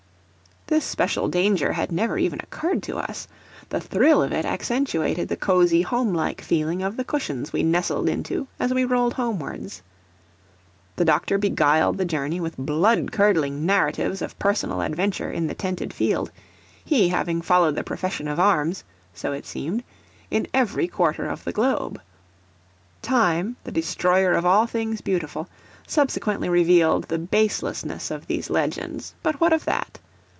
This special danger had never even occurred to us. The thrill of it accentuated the cosey homelike feeling of the cushions we nestled into as we rolled homewards. The doctor beguiled the journey with blood curdling narratives of personal adventure in the tented field, he having followed the profession of arms (so it seemed) in every quarter of the globe. Time, the destroyer of all things beautiful, subsequently revealed the baselessness of these legends; but what of that?